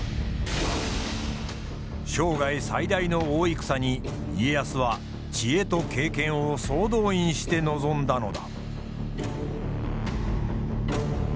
生涯最大の大戦に家康は知恵と経験を総動員して臨んだのだ。